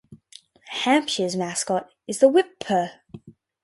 Hampshire's mascot is the Whip-Pur.